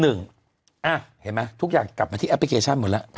เห็นไหมทุกอย่างกลับมาที่แอปพลิเคชันหมดแล้ว